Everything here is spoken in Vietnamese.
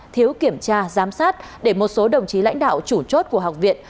thiếu kiểm tra giám sát để một số đồng chí lãnh đạo chủ chốt của học viện